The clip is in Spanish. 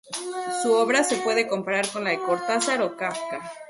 Su obra se puede comparar con la de Cortázar o Kafka.